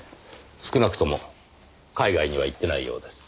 少なくとも海外には行ってないようです。